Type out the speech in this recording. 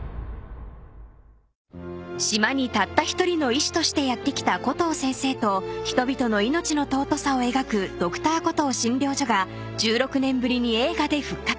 ［島にたった一人の医師としてやって来たコトー先生と人々の命の尊さを描く『Ｄｒ．コトー診療所』が１６年ぶりに映画で復活］